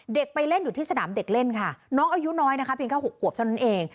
ไปเล่นอยู่ที่สนามเด็กเล่นค่ะน้องอายุน้อยนะคะเพียงแค่๖ขวบเท่านั้นเอง